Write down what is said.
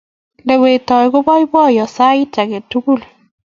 lewetoi kopaipoiyo sait ake tukul